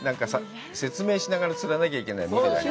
説明しながら釣らなきゃいけない、無理だよ。